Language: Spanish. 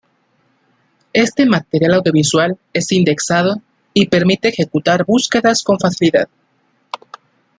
Este material audiovisual es indexado y permite ejecutar búsquedas con facilidad.